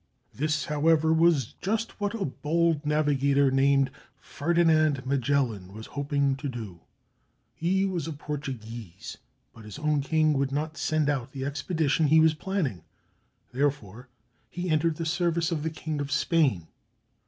This, however, was just what a bold navigator named Ferdinand Magellan was hoping to do. He was a Portu guese, but his own king would not send out the expedi tion he was planning; therefore he entered the service of the King of Spain.